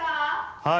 はい。